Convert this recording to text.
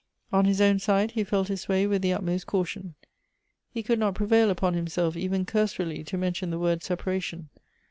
On his own side, he felt his way with the utmost caution. He could not prevail upon himself even cursorily to mention the word separation.